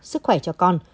sức khỏe cho con